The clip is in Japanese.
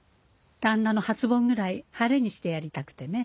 旦那の初盆ぐらい晴れにしてやりたくてね。